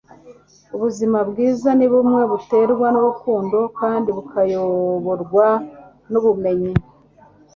ubuzima bwiza ni bumwe buterwa n'urukundo kandi bukayoborwa n'ubumenyi